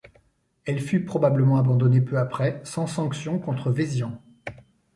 Elle fut probablement abandonnée peu après, sans sanction contre Vézian.